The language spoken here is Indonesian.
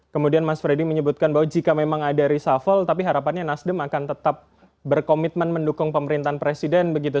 kemudian mas freddy menyebutkan bahwa jika memang ada reshuffle tapi harapannya nasdem akan tetap berkomitmen mendukung pemerintahan presiden begitu